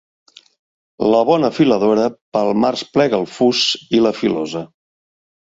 La bona filadora pel març plega el fus i la filosa.